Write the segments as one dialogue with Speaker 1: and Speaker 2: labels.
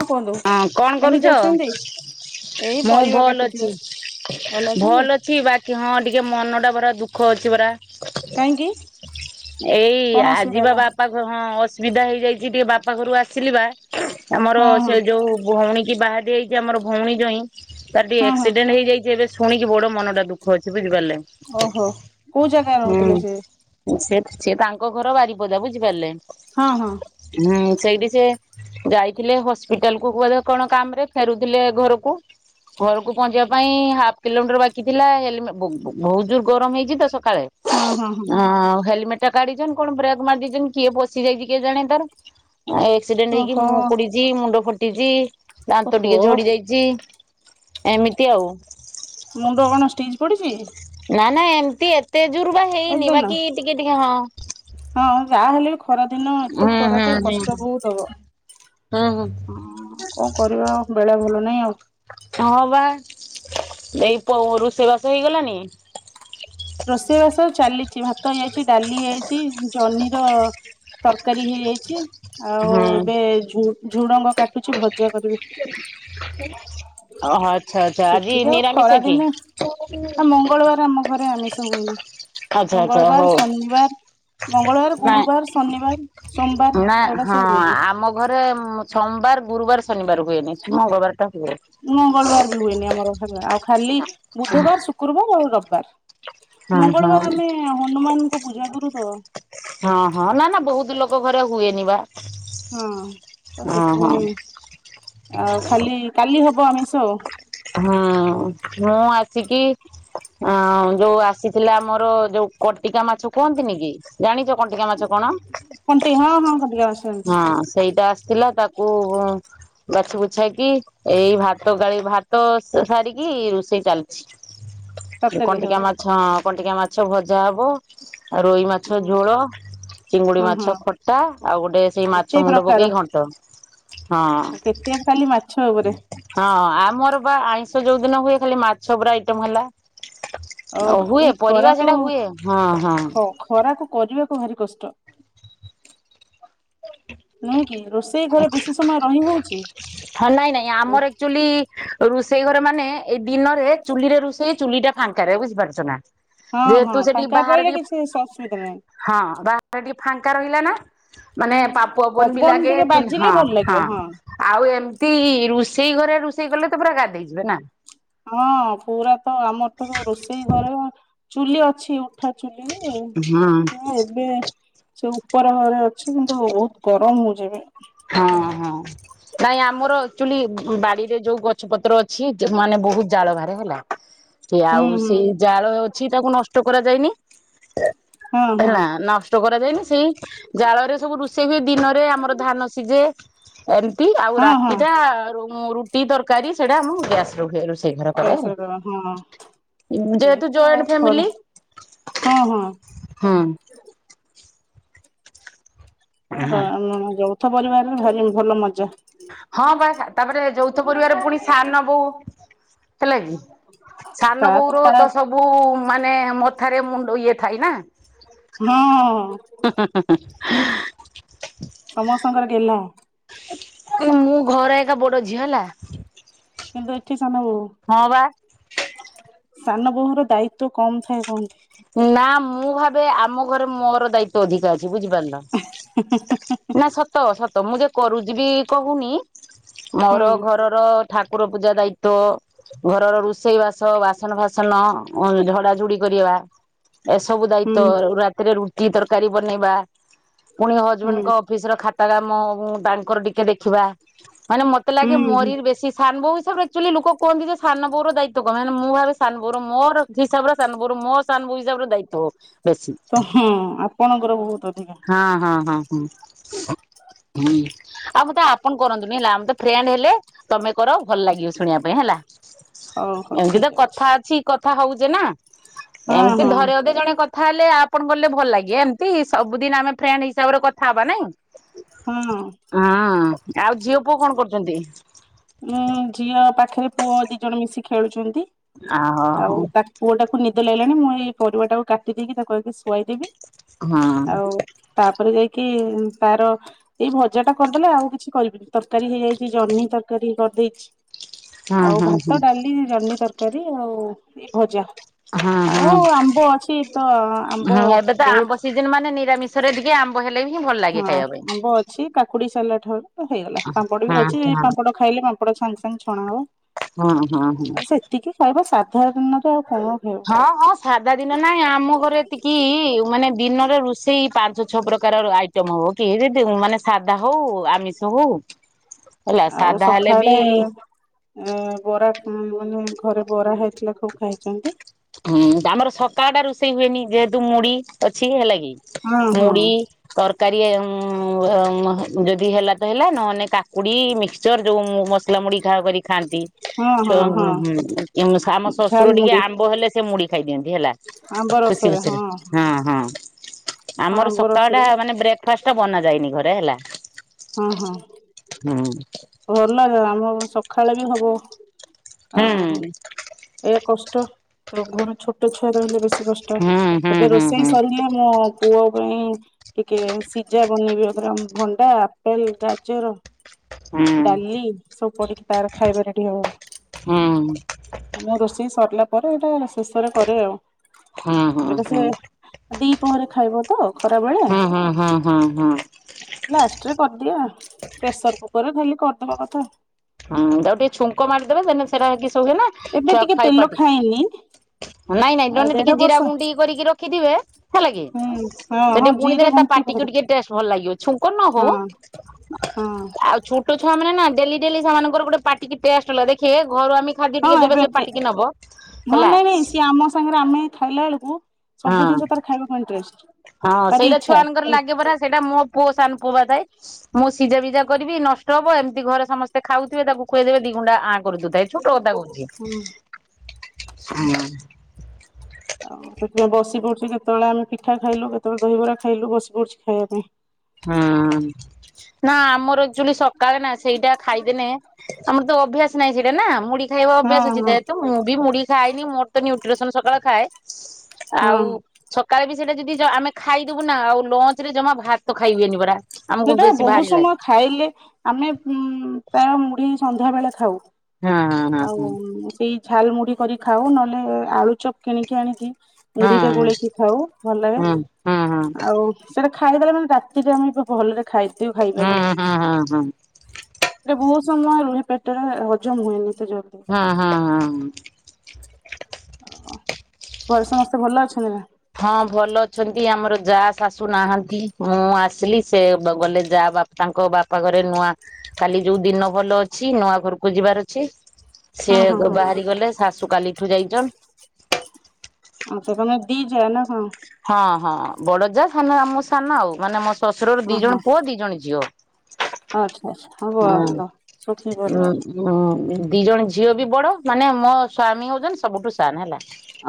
Speaker 1: ହଁ କୁହନ୍ତୁ
Speaker 2: ହଁ କଣ
Speaker 1: କେମିତି
Speaker 2: କରୁଛ?
Speaker 1: ଅଛନ୍ତି? ଏଇ
Speaker 2: ମୁଁ
Speaker 1: ପରିବା
Speaker 2: ଭଲ
Speaker 1: କାଟୁଛି
Speaker 2: ଅଛି।
Speaker 1: ବସି
Speaker 2: ଭଲ ଅଛି ବାକି ହଁ ଟିକେ ମନ ଟା ପରା ଦୁଃଖ ଅଛି ପରା।
Speaker 1: କାହିଁକି?
Speaker 2: ଏଇ
Speaker 1: କଣ ଅସୁବିଧା
Speaker 2: ଆଜିିବା
Speaker 1: ହେଲା?
Speaker 2: ବାପା ଘ ହଁ ଅସୁବିଧା ହେଇଯାଇଛି ଟିକେ ବାପା ଘରୁ ଆସିଲି ବା। ଆମର
Speaker 1: ହଁ ହଁ
Speaker 2: ସେ ଯୋଉ ଭଉଣୀ କି ବାହାଦି ହେଇଛି ଆମର ଭଉଣୀ ଜଇଁ ତାର ଟିକେ
Speaker 1: ହଁ ହଁ
Speaker 2: ଆକ୍ସିଡେଣ୍ଟ ହେଇଯାଇଛି ଏବେ ଶୁଣିକି ବଡ ମନଟା ଦୁଖ ଅଛି ବୁଝିପାରିଲେ।
Speaker 1: ଓହୋ କୋଉ ଜାଗା ରହୁଥିଲେ ସେ।
Speaker 2: ହୁଁ ସେ ସେ ତାଙ୍କ ଘର ବାରିପଦା ବୁଝିପାରିଲେ।
Speaker 1: ହଁ ହଁ।
Speaker 2: ହଁ ସେଇଠୀ ସେ ଯାଇଥିଲେ ହସ୍ପିଟାଲ କୁ ବଧେ କଣ କାମ ରେ ଫେରୁଥିଲେ ଘରକୁ ଘରକୁ ପହଞ୍ଚିବା ପାଇଁ ହାଫ କିଲୋମିଟର ବାକି ଥିଲା ହେଲମେ ବ ବ ବହୁତ ଜୋର ଗରମ ହେଇଛି ତ ସକାଳେ
Speaker 1: ହଁ ହଁ
Speaker 2: ହଁ। ହେଲମେଟ ଟା କାଢିଛନ୍ତି କଣ ବ୍ରେକ୍ ମାରି ଦେଇଛନ୍ତି କିଏ ବସି ଯାଇଛି କିଏ ଜାଣ ତାର ଆ ଏଇ ଆକ୍ସିଡେଣ୍ଟ ହେଇକି
Speaker 1: ଓହୋ
Speaker 2: ମୁଁକୁଡିଛି ମୁଣ୍ଡ ଫଟିଛି ଦାନ୍ତ ଟିକେ
Speaker 1: ଓହୋ
Speaker 2: ଝଡି ଯାଇ ଚି ଏମିତି ଆଉ।
Speaker 1: ମୁଣ୍ଡ କଣ ଷ୍ଟିଜ୍ ପଡ଼ିଛି?
Speaker 2: ନା ନା ଏମିତି ଏତେ ଜୋରୁ ବା ହେଇନି
Speaker 1: ଏଦିନ
Speaker 2: ବାକି ଟିକେ ଟିକେ ହଁ।
Speaker 1: ହଁ ଯାହାହେଲେ ବି ଖରା ଦିନ
Speaker 2: ହୁଁ
Speaker 1: ଏତେ ଖରାକୁ କଷ୍ଟ ବହୁତ ହବ।
Speaker 2: ହଁ ହଁ।
Speaker 1: ହଁ କଣ କରିବା ବେଳା ଭଲ ନାହିଁ ଆଉ।
Speaker 2: ହଁ ବା ଏଇ ପ ରୋଷେଇ ବାସ ହେଇଗଲାଣି।
Speaker 1: ରୋଷେଇବାସ ଚାଲିଛି ଭାତ ହେଇଛି ଡାଲି ହେଇଛି ଜହ୍ନିର ତରକାରୀ ହେଇଯାଇଛି ଆଉ
Speaker 2: ହୁଁ
Speaker 1: ଏବେ ଝୁ ଝୁଡଙ୍ଗ କାଟି କିଛି ଭଜା କରିବି।
Speaker 2: [inaudible] ଓ ହ ଆଚ୍ଛା ଆଚ୍ଛା ଆଜି
Speaker 1: ସେତିକି ଆଉ ଖରା
Speaker 2: ନିରାମିଷ କି?
Speaker 1: ଦିନେ ଆଉ ମଙ୍ଗଳବାର ଆମ ଘରେ ଆମିଷ ହୁଏନି
Speaker 2: ଆଚ୍ଛା ଆଚ୍ଛା
Speaker 1: ମଙ୍ଗଳବାର
Speaker 2: ହଉ
Speaker 1: ଶନିବାର ମଙ୍ଗଳବାର
Speaker 2: ନାଇଁ
Speaker 1: ଗୁରୁବାର ଶନିବାର ସୋମବାର
Speaker 2: ନା
Speaker 1: ଏଗୁଡା
Speaker 2: ହଁ
Speaker 1: ସବୁ ହୁଏନି।
Speaker 2: ଆମ ଘରେ ମ ସୋମବାର ଗୁରୁବାର ଶନିବାର ହୁଏନି ମଙ୍ଗଳବାର ଟା ହୁଏ।
Speaker 1: ମଙ୍ଗଳବାର ବି ହୁଏନି ଆମର [inaudible] ଆଉ ଖାଲି ବୁଧବାର ଶୁକ୍ରବାର ଆଉ ରବିବାର।
Speaker 2: ହଁ ହଁ।
Speaker 1: ମଙ୍ଗଳବାର ଆମେ ହନୁମାନଙ୍କ ପୂଜା କରୁ ତ।
Speaker 2: ହଁ ହଁ ନା ନା ବହୁତ ଲୋକ ଘରେ ହୁଏନି ବା।
Speaker 1: ହଁ ତ
Speaker 2: ଓହୋ।
Speaker 1: ସେଥିପାଇଁ ଆଉ ଖାଲି କାଲି ହବ ଆମିଷ।
Speaker 2: ହଁ ମୁଁ ଆସିକି ହଁ ଯୋଉ ଆସି ଥିଲା ଆମର ଯୋଉ କଟିକା ମାଛ କୁହନ୍ତିନି କି ଜାଣିଛ କଟିକା ମାଛ କଣ
Speaker 1: କଣ୍ଟି ହଁ ହଁ କଣ୍ଟିଆ ମାଛ ଅଛି
Speaker 2: ହଁ ସେଇଟା ଆସିଥିଲା ତା କୁ ବାଛି ବୁଛାକି ଏଇ ଭାତ ଗାଳି ଭାତ ତ ସ ସାରିକି ରୋଷେଇ ଚାଲିଛି ଏ
Speaker 1: ତରକାରୀ ହବ
Speaker 2: କଣ୍ଟିକା ମା ହଁ କଣ୍ଟିକିୟ ମାଛ ଭଜା ହବ ଆ ରୋହି ମାଛ
Speaker 1: ହଁ
Speaker 2: ଝୋଳ। ଚିଙ୍ଗୁଡି
Speaker 1: ହଁ ହଁ
Speaker 2: ମାଛ ଖଟା ଆଉ ଗୋଟେ ସେଇ
Speaker 1: କେତେ
Speaker 2: ମାଛ ମୁଣ୍ଡ ପକେଇି ଘଣ୍ଟ। ହଁ।
Speaker 1: ଉ କେତେ ଖାଲି ମାଛ ଉପରେ।
Speaker 2: ହଁ ଆମର ବା ଆଇଁଷ ଯୋଉ ଦିନ ହୁଏ ଖାଲି ମାଛ ଉପରେ ଆଇଟମ ହେଲା। ଅ
Speaker 1: ଓଃ ଏଇ
Speaker 2: ହୁଏ ପରିବା
Speaker 1: ଖରାକୁ
Speaker 2: ସେଟା ହୁଏ ହଁ ହଁ।
Speaker 1: ଖ ଖରାକୁ କରିବାକୁ ଭାରି କଷ୍ଟ। ନୁହେଁ କି ରୋଷେଇ ଘରେ ବେଶୀ ସମୟ ରହି ହଉଛି?
Speaker 2: ହଁ ନାଇଁ ନାଇଁ
Speaker 1: ହଁ
Speaker 2: ଆମର ଏକ୍ଚୁଆଲି ରୋଷେଇ ଘର ମାନେ ଏଇ ଦିନରେ ଚୁଲିରେ ରୋଷେଇ ଚୁଲି ଟା ଫାଙ୍କାରେ ବୁଝିପାରୁଛ ନା।
Speaker 1: ହଁ ହଁ
Speaker 2: ଯେହେତୁ ସେଠି
Speaker 1: ଟାଙ୍କା
Speaker 2: ବାହାରେ
Speaker 1: ରହିଲେ
Speaker 2: ଟିକେ
Speaker 1: କିଛି ସ ଅସୁବିଧା ନାହିଁ।
Speaker 2: ହଁ ବାହାର ଟା ଟିକେ ଫାଙ୍କା ରହିଲା ନା। ମାନେ ପାପ ପୁନବିି
Speaker 1: ପବନ
Speaker 2: ଲାଗେ
Speaker 1: ଟିକେ
Speaker 2: ହଁ
Speaker 1: ବାଜିଲେ ଭଲ
Speaker 2: ହଁ।
Speaker 1: ଲାଗିବ
Speaker 2: ଆଉ ଏମିତି ରୋଷେଇ ଘରେ ରୋଷେଇ କଲେ ତ ପୁରା ଗାଧେଇ ଯିବେ ନା।
Speaker 1: ହଁ ପୁରା ତ ଆମର ତ ରୋଷେଇ ଘରେ ଚୁଲି ଅଛି। ଉଠା ଚୁଲିରେ
Speaker 2: ହୁଁ
Speaker 1: ହଁ ଏବେ। ସେ ଉପର ଘରେ ଅଛି କିନ୍ତୁ ବହୁତ ଗରମ ହଉଛିି ଏବେ।
Speaker 2: ହଁ ହଁ। ନାଇଁ ଆମର ଆକଚୁଲି ବାଡିରେ ଯୋଉ ଗଛ ପତ୍ର ଅଛି ମାନେ ବହୁତ ଜାଳ ବାହାରେ ହେଲା। ସେ
Speaker 1: ହୁଁ
Speaker 2: ଆଉ
Speaker 1: ହୁଁ
Speaker 2: ସେଇ ଜାଳ ଅଛି ତାକୁ ନଷ୍ଟ କରାଯାଇଏନି
Speaker 1: ହଁ ହଁ
Speaker 2: ନା ନଷ୍ ଟ କରାଯାଏନି ସେଇ ଜାଳ ରେ ସବୁ ରୋଷେଇ ହୁଏ ଦିନରେ ଆମର ଧାନ ସିଝେ। ଏମିତି ଆଉ
Speaker 1: ହଁ ହଁ
Speaker 2: ରାତି ଟା ରୁ ରୁଟି ତରକାରୀ ସେଟା ଆମ ଗ୍ୟାସ ରେ ହୁଏ। ରୋଷ ସେ ଘର କରେ
Speaker 1: ଗ୍ୟାସରେ ଦବା ହଁ ଏ
Speaker 2: ଯେହେତୁ
Speaker 1: ତ
Speaker 2: ଜଏଣ୍ଟ
Speaker 1: ଖରା
Speaker 2: ଫ୳୲ମିଲି।
Speaker 1: ହଁ ହଁ।
Speaker 2: ହୁଁ।
Speaker 1: ହଁ ତ ଆମ ଯୌଥ ପରିବାରରେ ଭାରି ଭଲ ମଜା।
Speaker 2: ହଁ ବା ତାପରେ ଯୌଥ ପରିବାର ପୁଣି ସାନ ବୋଉ। ହେଲା କି ସାନ
Speaker 1: ତାପରେ
Speaker 2: ବୋଉର
Speaker 1: ତା
Speaker 2: ତ ସବୁ ଓ ମାନେ ମଥାରେ ମୁଣ୍ଡ ଇଏ ଥାଇ ନା।
Speaker 1: ହଁ।
Speaker 2: ହୁଁ ହୁଁ।
Speaker 1: ସମସ୍ତଙ୍କର ଗେଲ୍ହା।
Speaker 2: କୁ ମୁଁ ଘର ଏକା ବଡ ଝିଅ ହେଲା।
Speaker 1: କିନ୍ତୁ ଏଠି ସେନ ବୋହୂ।
Speaker 2: ହଁ ବା।
Speaker 1: ସାନ ବୋହୂର ଦାୟିତ୍ଵ କମ ଥାଏ କହନ୍ତି।
Speaker 2: ନା ମୁଁ ଭାବେ ଆମ ଘରେ ମୋର ଦାୟିତ୍ଵ ଅଧିକା ଅଛି ବୁଝିପାରିଲ।
Speaker 1: ହିଁ ହିଁ ହିଁ
Speaker 2: ନା ସତ ସତ ମୁଁ ଯେ କରୁଚି ବି କହୁନି
Speaker 1: ହୁଁ
Speaker 2: ମୋର ଘର ଘର ଠାକୁର ପୂଜା ଦାୟିତ୍ଵ। ଘରର ରୋଷେଇ ବାସ ବାସନ ଫାସନ ଝଡା ଝୁଡି କରିବା। ଏସବୁ
Speaker 1: ହୁଁ
Speaker 2: ଦାୟିତ୍ଵ ରାତିରେ ରୁଟି ତରକାରୀ ବନେଇବା ପୁଣି
Speaker 1: ହୁଁ
Speaker 2: ହଜବେଣ୍ଡଙ୍କ ଅଫିସ ର ଖାତା କାମ ତାଙ୍କର ଟିକେ ଦେଖିବା। ମାନେ ମତେ
Speaker 1: ହୁଁ
Speaker 2: ଲାଗେ
Speaker 1: ହୁଁ
Speaker 2: ମୋରି ବେଶୀ ସାନ ବୋହୂ ହିସାବରେ ଲୋକ କୁହନ୍ତି ଯେ ସାନ ବୋର ଦାୟିତ୍ୱ କମ୍ ମାନେ ମୁଁ ଭାବେ ସାନବୋହୂ ମୋର ହିସାବରେ ସାନବୋହୂ ମୋ ସାନ ବୋହୂ ହିସାବରେ ଦାୟି ତ ବେଶି
Speaker 1: ତ ହଁ ଆପଣଙ୍କର ବହୁତ ଅଧିକା
Speaker 2: ହଁ ହଁ ହଁ ହଁ। ହୁଁ ଆଉ ମତେ ଆପଣ କରନ୍ତୁନି ହେଲା ଆମେ ତ ଫ୍ରେଣ୍ଡ ହେଲେ ତମେ କର ଭଲ ଲାଗିବ ଶୁଣିବା ପାଇଁ ହେଲା
Speaker 1: ହଉ ହଉ
Speaker 2: ଏମତି ତ
Speaker 1: ଠିକ
Speaker 2: କଥା ଅଛି। କଥା ହଉଚେ ନା
Speaker 1: ହଁ
Speaker 2: ଏମିତି ଧରେ
Speaker 1: ହଁ
Speaker 2: ଅଧେ ଜଣେ କ କଥା ହେଲେ ଆପଣ ଗଲେ ଭଲ ଲାଗିବ ଏମିତି ସବୁଦିନ ଆମେ ଫ୍ରେଣ୍ଡ ହିସାବରେ କଥା ହବା ନାଇଁ।
Speaker 1: ହଁ।
Speaker 2: ହଁ ଆଉ ଝିଅ ପୁଅ କଣ କରୁଛନ୍ତି।
Speaker 1: ଉଁ ଝିଅ ପାଖରେ ପୁଅ ଦି ଜଣ ମିଶି ଖେଳୁଚନ୍ତି।
Speaker 2: ଆ
Speaker 1: ଆଉ
Speaker 2: ହଁ
Speaker 1: ତା ପୁଅଟାକୁ ନିଦ ଲାଗିଲାଣି ମୁଁ ଏଇ ପରିବା ଟାକୁ କାଟିଦେଇକି ତାକୁ ଆଗେ ଶୁଆଇଦେବି
Speaker 2: ହଁ ହଁ
Speaker 1: ଆଉ ତାପରେ ଯାଇକି ତାର ଏଇ ଭଜା ଟା କରିଦେଲେ ଆଉ କିଛି କରିବିନି ତରକାରୀ ହେଇଯାଇ ଛି ଜହ୍ନି ତରକାରୀ କରିଦେଇଛି ଆଉ
Speaker 2: ହଁ
Speaker 1: ଭାତ
Speaker 2: ହଁ
Speaker 1: ଡାଲି ଜହ୍ନି ତର କାରୀ ଆଉ ଭଜା।
Speaker 2: ହଁ ହଁ
Speaker 1: ଆଉ ଆମ୍ବ ଅଛି ତ ଆମ୍ବ
Speaker 2: ହଁ ଏବେ ତ
Speaker 1: ବହୁତ
Speaker 2: [unintelligible] ମାନେ ନିରାମିଷ
Speaker 1: ହଁ ଆମ୍ବ ଅଛି କାକୁଡି ସାଲଟ ହବ ହେଇଗଲା ପାମ୍ପଡ ବି
Speaker 2: ହଁ
Speaker 1: ଅଛି
Speaker 2: ହଁ
Speaker 1: ପାମ୍ପଡ ଖାଇଲେ ପାମ୍ପଡ଼ ସାଙ୍ଗେ ସାଙ୍ଗେ ଛଣା ହବ।
Speaker 2: ହଁ ହଁ ହୁଁ।
Speaker 1: ଟିକେ ଖାଇବା ସାଧା [unintelligible] ଆଉ କଣ ଖାଇ
Speaker 2: ହଁ ହଁ ସାଧା ଦିନ ନାଇଁ ଆମ ଘରେ ଏତିକି ମାନେ ଦିନରେ ରୋଷେଇ ପାଞ୍ଚ ଛଅ ପ୍ରକାର ର ଆଇଟମ ହବ କି ଯଦି ମାନେ ସାଧା ହଉ ଆମିଷ ହଉ ହେଲା ସାଧା ହେଲେ ବି
Speaker 1: ଏ ବରା ମାନେ ଘରେ ବରା ହେଇଥିଲେ ସବୁ ଖାଇଚନ୍ତି।
Speaker 2: ହୁଁ ଆମର ସକାଳ ଟା ରୋଷେଇ ହୁଏନି ଯେହେତୁ ମୁଡି ଅଛି ହେଲା କି
Speaker 1: ହଁ ହଁ।
Speaker 2: ମୁଡି ତରକାରୀ ଉ ଉମ ଉ ଯଦି ହେଲା ତ ହେଲା ନହେଲେ କାକୁଡି ମିକ୍ ଚର ଯୋଉ ମସଲା ମୁଡି ଖା କରିକି ଖାଆନ୍ତି।
Speaker 1: ହଁ
Speaker 2: ଛୋ
Speaker 1: ହଁ ହଁ
Speaker 2: ଉମ ହଁ ଆମ ଶ୍ୱଶୁର
Speaker 1: ଝାଲ
Speaker 2: ଟିକେ
Speaker 1: ମୁଢି
Speaker 2: ଆମ୍ବ ହେଲେ ସେ ମୁଢ଼ି ଖାଇଦିଅନ୍ତି ହେଲା। ଖୁସି ଖୁସିରେ ହଁ ହଁ। ଆମର
Speaker 1: ଆମ୍ବ
Speaker 2: ସକାଳ ଟା
Speaker 1: ରସରେ
Speaker 2: ମାନେ ବ୍ରେକ୍ ଫାଷ୍ଟ ଟା ବନା ଯାଇନି ଘରେ ହେଲା।
Speaker 1: ହଁ ହଁ।
Speaker 2: ହୁଁ।
Speaker 1: ଭଲ ରେ ଆମ ସକାଳେ ବି ହବ
Speaker 2: ହୁଁ
Speaker 1: ଆଉ ଏଆ କଷ୍ଟ ତ ଘରୁ ଛୋଟ ଛୁଆ ଟେ ହେଲେ ବେଶୀ କଷ୍ଟ।
Speaker 2: ହୁଁ ହୁଁ
Speaker 1: ଏବେ
Speaker 2: ହୁଁ
Speaker 1: ରୋଷେଇ
Speaker 2: ହୁଁ
Speaker 1: ସରିଲେ ମୋ ପୁଅ ପାଇଁ ଟିକେ ସିଝା ବନେଇବି ପୁରା ଭଣ୍ଡା ଆପେଲ ଗାଜର
Speaker 2: ହୁଁ ହୁଁ
Speaker 1: ଡାଲି ସବୁ ପଡିକି ତାର ଖାଇବା ରେଡି
Speaker 2: ହୁଁ ହୁଁ
Speaker 1: ହବ। ଆମ ରୋଷେଇ ସରିଲା ପରେ ଏଇଟା ଶେଷରେ କରେ ଆଉ।
Speaker 2: ହଁ ହଁ ହୁଁ।
Speaker 1: ଦି ପହରେ ଖାଇବ ତ ଖରାବେେଳେ
Speaker 2: ହୁଁ ହୁଁ ହୁଁ ହୁଁ
Speaker 1: ଲାଷ୍ଟରେ କରିଦିଏ ଆ ପ୍ରେସର କୁକରରେ ଖାଲି କରିଦବା କଥା।
Speaker 2: ହଁ ତାକୁ ଟିକେ ଛୁଙ୍କ ମାରିଦବେ ଦେନେ ସେଟା କିସ ହୁଏ ନା ଛୁଆ ଖାଇ
Speaker 1: ଲୋ ଖାଇନି।
Speaker 2: ନାଇଁ ନାଇଁ
Speaker 1: ଆ
Speaker 2: ଜଣେ ଟିକେ
Speaker 1: ଦେଢ
Speaker 2: ଜିରା
Speaker 1: ବର୍ଷ
Speaker 2: ଗୁଡି କରିକି ରଖିଥିବେ ହେଲା କି
Speaker 1: ହୁଁ ହଁ
Speaker 2: ସେଠି
Speaker 1: ହଁ ଜିରା
Speaker 2: ବୁଣିଦେନେ ତା
Speaker 1: ଗୁଣ୍ଡ
Speaker 2: ପାଟି ଟିକେ
Speaker 1: ପକେଇ
Speaker 2: ଟିକେ ଟଷ୍ଟ ଭଲ ଲାଗିବ ଛୁଙ୍କ ନ
Speaker 1: ହଁ
Speaker 2: ହଉ
Speaker 1: ହଁ
Speaker 2: ଆଉ ଛୋଟ ଛୁଆମାନେ ନା ଡେଲି ଡେଲି ସେମାନଙ୍କର ଗୋଟେ ପାଟିିକି ଟେଷ୍ଟଲା ଦେଖେ ଘରୁ ଆମେ ଖାଦ୍ୟ
Speaker 1: ହଁ
Speaker 2: ଟିକେ ଦେବେ
Speaker 1: ଏବେ
Speaker 2: ସେ
Speaker 1: ଏତେ
Speaker 2: ପାଟିକି ନବ
Speaker 1: ହଁ
Speaker 2: ହେଲା
Speaker 1: ନାଇଁ ନାଇଁ ସିଏ ଆମ ସାଙ୍ଗରେ ଆମେ ଖାଇଲା ବେଳକୁ ସବୁ
Speaker 2: ହଁ
Speaker 1: ଜିନିଷ ତାର ଖାଇବାକୁ ଇଣ୍ଟରେଷ୍ଟ।
Speaker 2: ହଁ
Speaker 1: ଭାରି
Speaker 2: ସେଇଟା
Speaker 1: ଇଚ୍ଛା
Speaker 2: ଛୁଆମାନଙ୍କର
Speaker 1: ହୁଁ
Speaker 2: ଲାଗେ ପରା ସେଇଟା ମୋ ପୁଅ ସାନ ପୁଅ ବା ଥାଏ। ମୁଁ ସିଝାବିଜା କରିବି ନଷ୍ଟ ହବ। ଏମିତି ଘରେ ସମସ୍ତେ ଖାଉଥିବେ ତାକୁ ଖୁଆଇଦେବେ ଦି ଗୁଣ୍ଡା ଆଣ୍ କରିଦଉଥାଏ ଛୋଟ କଥା କହୁଚି ହୁଁ।
Speaker 1: ଆଉ ସେଥିପାଇଁ ବସି ପଡୁଚି କେତେବେଳେ ଆମେ ପିଠା ଖାଇଲୁ କେତେବେଳେ ଦହିବରା ଖାଇଲୁ ବସି ପଡୁଚି ଖାଇବା ପାଇଁ।
Speaker 2: ହଁ ନା ଆମର ଏକ ଚୁଲି ସକାଳେ ନା ସେଇଟା ଖାଇଦେନ ଆମର ତ ଅଭ୍ୟାସ ନାହିଁ ସେଇଟା ନା ମୁଡି ଖାଇବା ଅଭ୍ୟାସ ଅଛି
Speaker 1: ହଁ ହଁ
Speaker 2: ଯେହେତୁ ମୁଁ ବି ମୁଡି ଖାଏନି ମୋର ତ ନ୍ୟୁଟ୍ରିସନ ସକାଳେ ଖାଏ। ଆଉ
Speaker 1: ହଁ
Speaker 2: ସକାଳେ ବି ସେଇଟା ଯଦି ଆମେ ଖାଇଦବୁ ନା ଆଉ ଲଞ୍ଚ ରେ ଜମା ଭାତ ଖାଇ ହୁଏନି ପରା। ଆମକୁ
Speaker 1: ସେଇଟା
Speaker 2: ବେଶୀ
Speaker 1: ବହୁତ
Speaker 2: ଭାରି ଲାଗେ
Speaker 1: ସମୟ ଖାଇଲେ ଆମେ ଉ ପ୍ରାୟ ମୁଢି ସନ୍ଧ୍ୟା ବେଳେ ଖାଉ।
Speaker 2: ହଁ ହଁ
Speaker 1: ଆଉ ସେଇ ଝାଲ ମୁଢି କରି ଖାଉ ନହେଲେ ଆଳୁ ଚପ କିଣିକି ଆଣିକି
Speaker 2: ହଁ
Speaker 1: ମୁଢିରେ ଗୋଳେଇକି ଖାଉ ଭଲ ଲାଗେ।
Speaker 2: ହଁ ହଁ
Speaker 1: ଆଉ ସେଇଟା ଖାଇଦେଲେ ମାନେ ରାତିରେ ଆମେ ଏବେ ଭଲରେ ଖାଦ୍ୟ ଖାଇପାରୁନି।
Speaker 2: ହଁ ହଁ ହଁ ହଁ ହଁ ହଁ ହଁ
Speaker 1: ଏ ବହୁତ ସମୟ ରୁହେ ପେଟରେ ହଜମ ହୁଏନି ଏତେ ଜ
Speaker 2: ହଁ, ହଁ, ହଁ।
Speaker 1: ଓହ ଘରେ ସମସ୍ତେ ଭଲ ଅଛନ୍ତି ନା?
Speaker 2: ହଁ ଭଲ ଅଛନ୍ତି ଆମର ଯା, ଶାଶୁ ନାହାନ୍ତି ମୁଁ ଆସିଲି ସେ ଗଲେ ଯା ବାପା ତାଙ୍କ ବାପା ଘରେ ନୂଆ କାଲି ଯୋଉ ଦିନ ଭଲ ଅଛି। ନୂଆ ଘରକୁ ଯିବାର ଅଛି।
Speaker 1: ହଁ
Speaker 2: ସିଏ
Speaker 1: ହଁ ହଁ
Speaker 2: ବାହାରି ଗଲେ ଶାଶୁ କାଲିଠୁ ଯାଇଛନ୍।
Speaker 1: ଆଚ୍ଛା ତମେ ଦି ଜା ନା କଣ?
Speaker 2: ହଁ ହଁ ବଡଜା ସାନ ଆମ ସାନ ଆଉ ମାନେ ମୋ ଶ୍ୱଶୁରର
Speaker 1: ହଁ
Speaker 2: ଦି
Speaker 1: ହଁ
Speaker 2: ଜଣ ପୁଅ, ଦି ଜଣ ଝିଅ।
Speaker 1: ଆଚ୍ଛା ଆଚ୍ଛା ହ ଭଲ ଶୁଖି ପରିବାର।
Speaker 2: ହୁଁ ଦି ଜଣ ଝିଅ ବି ବଡ ମାନେ ମୋ ସ୍ଵାମୀ ହଉଛନ୍ତି ସବୁଠୁ ସାନ ହେଲା।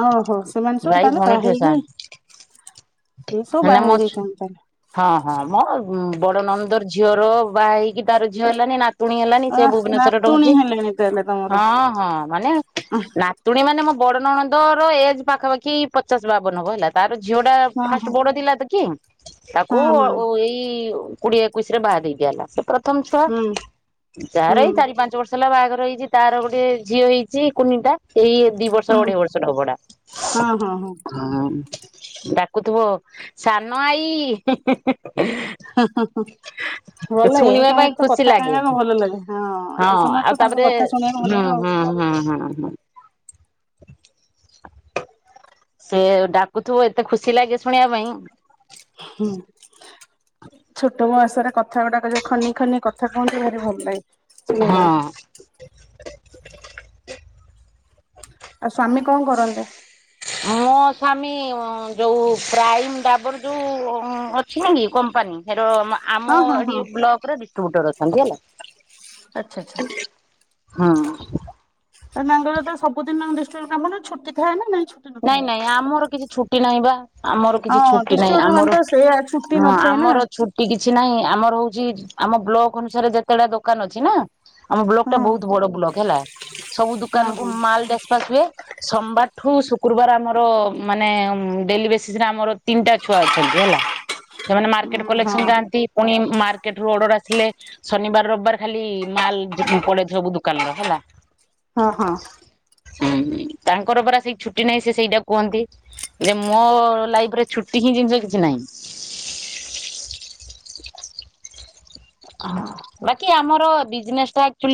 Speaker 1: ଓହୋ ସେମାନେ ସବୁ
Speaker 2: ଭାଇ
Speaker 1: ତାହେଲେ ବାହା
Speaker 2: ଭଉଣୀଠୁ ସାନ
Speaker 1: ହେଇକି ସବୁ
Speaker 2: ମାନେ
Speaker 1: ବାହା
Speaker 2: ମୋ
Speaker 1: ହେଇଯାଇଛନ୍ତି ତାହେଲେ।
Speaker 2: ହଁ ହଁ ମୋ ବଡ ନଣନ୍ଦର ଝିଅର ବାହା ହେଇକି ତାର ଝିଅ ହେଲାନି ନାତ୍ ନାତୁଣୀ ହେଲାନି
Speaker 1: ଅ
Speaker 2: ସେ ଭୁବନେଶ୍ଵରରେ
Speaker 1: ନାତୁଣୀ
Speaker 2: ରହୁଛି।
Speaker 1: ହେଲେଣି ତାହେଲେ ତମର
Speaker 2: ହଁ ହଁ ମାନେ
Speaker 1: ହଁ
Speaker 2: ନାତୁଣି ମାନେ ମୋ ବଡ ନଣନ୍ଦର ଏଜ ପାଖାପାଖି ପଚାଶ, ବାବନ ହବ ହେଲା। ତାର ଝିଅଟା
Speaker 1: ହଁ
Speaker 2: ଫାଷ୍ଟ ବଡ ଥିଲା ତ କି? ତାକୁ
Speaker 1: ହଁ ହଁ
Speaker 2: ଏଇ କୋଡିଏ, ଏକୋଇଶିରେ ବାହା ଦେଇଦିଆହେଲା। ପ୍ରଥମ ଛୁଆ
Speaker 1: ହୁଁ
Speaker 2: ଯାହାର
Speaker 1: ହୁଁ
Speaker 2: ଏଇ ଚାରି ପାଞ୍ଚ ବର୍ଷ। ମସଲା ବାହାଘର ହେଇଛି ତାର ଗୋଟେ ଝିଅ ହେଇଛି କୁନିଟା। ଏଇ ଦି ବର୍ଷ,
Speaker 1: ହୁଁ
Speaker 2: ଅଢେଇ ବର୍ଷର ଅଭଡା।
Speaker 1: ହଁ ହଁ ହଁ
Speaker 2: ହଁ ଡାକୁଥିବ ସାନ ଆଇ।
Speaker 1: ହଁ, ହଁ, ହଁ। ଭଲ ଏଇ
Speaker 2: ଶୁଣିବା ପାଇଁ
Speaker 1: ସମୟରେ ତ
Speaker 2: ଖୁସି
Speaker 1: କଥା
Speaker 2: ଲାଗେ
Speaker 1: କହିବାକୁ ଭଲ ଲାଗେ ହଁ ଏଇ ସମୟ
Speaker 2: ଆଉ
Speaker 1: ତ ତାଙ୍କ
Speaker 2: ତାପରେ
Speaker 1: କଥା ଶୁଣିବାକୁ ଭଲ
Speaker 2: ହୁଁ,
Speaker 1: ଲାଗେ ଆଉ
Speaker 2: ହୁଁ, ହଁ, ହଁ, ହଁ। ସେ ଡାକୁଥିବ ଏତେ ଖୁସି ଲାଗେ ଶୁଣିବା ପାଇଁ।
Speaker 1: ହୁଁ ଛୋଟ ବୟାସରେ କଥା ଗୁଡାକ ଯୋଉ ଖନେଇ ଖନେଇ କଥା କୁହନ୍ତୁ ଭାରି ଭଲ ଲାଗେ
Speaker 2: ହଁ।
Speaker 1: ଶୁଣିଆପାଇଁ। ଆଉ ସ୍ଵାମୀ କଣ କରନ୍ତି?
Speaker 2: ମୋ ସ୍ଵାମୀ ଯୋଉ ପ୍ରାଇମ ଡାବର ଯୋଉ ଅଛି ନା କି କମ୍ପାନୀ।
Speaker 1: ହଁ ହଁ
Speaker 2: ଆମରି
Speaker 1: ହଁ
Speaker 2: ବ୍ଲକରେ ଡିଷ୍ଟ୍ରିବ୍ୟୁଟର ଅଛନ୍ତି ହେଲା।
Speaker 1: ଆଚ୍ଛା ଆଚ୍ଛା
Speaker 2: ହଁ।
Speaker 1: ନା ତାଙ୍କର ତ ସବୁଦିନ ଡିଷ୍ଟିବୁତାର କାମ ଛୁଟି ଥାଏ ନା ନାଇଁ?
Speaker 2: ନାଇଁ
Speaker 1: ନଥାଏ
Speaker 2: ନାଇଁ ଆମର କିଛି ଛୁଟି ନାହିଁ ବା। ଆମର କିଛି
Speaker 1: ହଁ
Speaker 2: ଛୁଟି ନାହିଁ।
Speaker 1: ଡିଷ୍ଟ୍ରିବ୍ୟୁଟର
Speaker 2: ଆମର
Speaker 1: ମାନଙ୍କର ସେଇଆ ଛୁଟି ନଥାଏ ନା
Speaker 2: ଆମର ଛୁ କିଛି ନାହିଁ ଆମର ହଉଛି ଆମ ବ୍ଲକ ଅନୁସାରେ ଯେତେଟା ଦୋକାନ ଅଛି ନା ଆମ ବ୍ଲକଟା
Speaker 1: ହଁ
Speaker 2: ବହୁତ ବଡ ବ୍ଲକ ହେଲା ସବୁ
Speaker 1: ହଁ
Speaker 2: ଦୁକାନକୁ
Speaker 1: ହଁ
Speaker 2: ମାଲଟା ଆସିବେ ସୋମବାରଠୁ ଶୁକ୍ରବାର ଗୁରୁବାର ଆମର ମାନେ ଡେଲି ବେସିସରେ ଆମର ତିନିଟା ଛୁଆ ଅଛନ୍ତି ହେଲା। ସେମାନେ ମାର୍କେଟ
Speaker 1: ହଁ
Speaker 2: କଲେକ୍ସନ ଯାଆନ୍ତି ପୁଣି ମାର୍କେଟରୁୁ ଅର୍ଡର ଆସିଲେ ଶନିବାର, ରବିବାର ଖାଲି ମାଲ ପଡେ ଦୋକାନ ର ହେଲା।
Speaker 1: ହଁ, ହଁ।
Speaker 2: ହ ତାଙ୍କର ପରା ସେଇ ଛୁ ଛୁଟି ନାହିଁ ସେ ସେଇଟା କୁହନ୍ତି ଯେ ମୋ ଲାଇଫରେ ଛୁଟି ହିଁ ଜିନିଷ କିଛି ନାହିଁ। ବାକି ଆମର ବିଜନେସଟା ଆକ୍ଚୁଲି